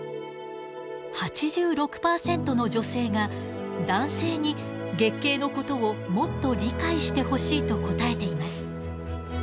８６％の女性が男性に月経のことをもっと理解してほしいと答えています。